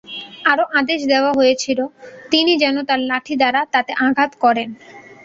আরো আদেশ দেয়া হয়েছির তিনি যেন তাঁর লাঠি দ্বারা তাতে আঘাত করেন।